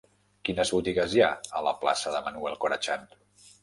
Quines botigues hi ha a la plaça de Manuel Corachan?